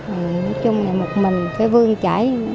nói chung một mình phải vương trải